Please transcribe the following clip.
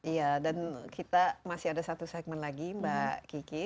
iya dan kita masih ada satu segmen lagi mbak kiki